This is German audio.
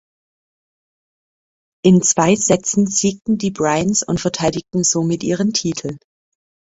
In zwei Sätzen siegten die Bryans und verteidigten somit ihren Titel.